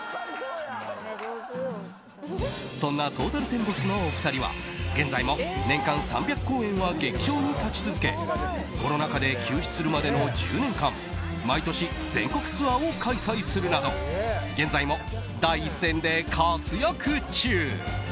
そんなトータルテンボスのお二人は現在も年間３００公演は劇場に立ち続けコロナ禍で休止するまでの１０年間毎年、全国ツアーを開催するなど現在も第一線で活躍中。